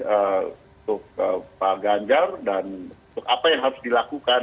untuk pak ganjar dan untuk apa yang harus dilakukan